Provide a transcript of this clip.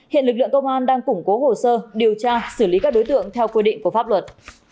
hiện lực lượng công an đang củng cố hồ sơ điều tra xử lý các đối tượng theo quy định của pháp luật